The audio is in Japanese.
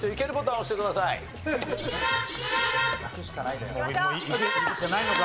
もういくしかないのか。